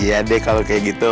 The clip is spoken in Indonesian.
ya deh kalau kayak gitu